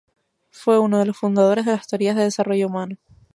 Fue uno de los fundadores de las teorías de desarrollo humano.